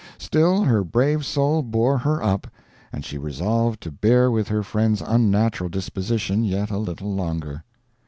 Still, her brave soul bore her up, and she resolved to bear with her friend's unnatural disposition yet a little longer.